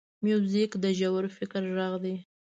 موزیک د ژور فکر غږ دی.